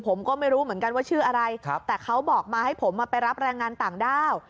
ผมก็ไม่รู้เหมือนกันว่าชื่ออะไรแต่เขาบอกมาให้ผมมาไปรับแรงงานต่างด้าว